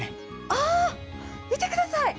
あー、見てください！